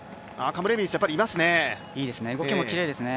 カムレビンス、いますね。